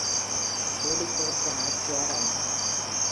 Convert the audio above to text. சூடிக் கொடுத்த நாச்சியாரானாள்.